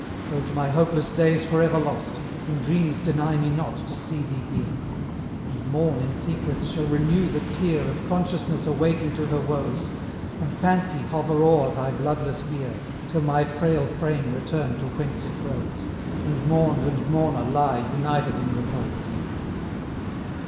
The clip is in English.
Though to my hopeless days for ever lost, In dreams deny me not to see thee here! And Morn in secret shall renew the tear Of Consciousness awaking to her woes, And Fancy hover o'er thy bloodless bier, Till my frail frame return to whence it rose, And mourned and mourner lie united in repose.